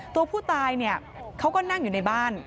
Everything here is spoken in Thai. ตัวผู้ตายเนี่ยเขาก็นั่งอยู่ในบ้าน